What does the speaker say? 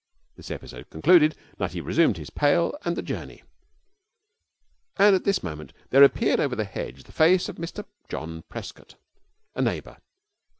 This episode concluded, Nutty resumed his pail and the journey, and at this moment there appeared over the hedge the face of Mr John Prescott, a neighbour.